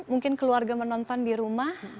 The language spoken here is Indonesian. mungkin keluarga menonton di rumah